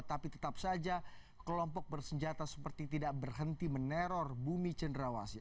tapi tetap saja kelompok bersenjata seperti tidak berhenti meneror bumi cenderawasi